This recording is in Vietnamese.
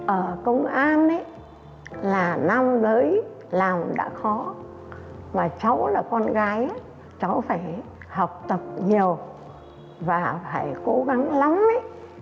ở công an là năm tới làm đã khó mà cháu là con gái cháu phải học tập nhiều và phải cố gắng lắm thì mới làm được công an đấy